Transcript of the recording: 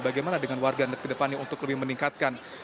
bagaimana dengan warga yang lebih mendekatkan